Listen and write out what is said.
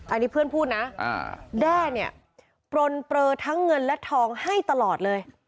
อันนี้เพื่อนพูดนะแด้เนี่ยปลนเปลือทั้งเงินและทองให้ตลอดเลย